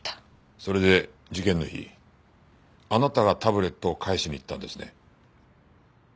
それで事件の日あなたがタブレットを返しに行ったんですね？